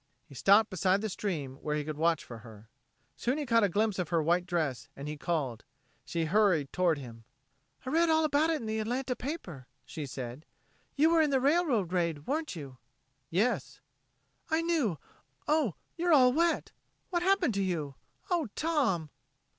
He stopped beside the stream, where he could watch for her. Soon he caught a glimpse of her white dress, and he called. She hurried toward him. "I read all about it in the Atlanta paper," she said. "You were in the railroad raid, weren't you?" "Yes." "I knew.... Oh, you're all wet. What happened to you? Oh, Tom!"